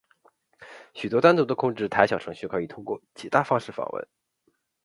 许多单独的控制台小程序可以通过其他方式访问。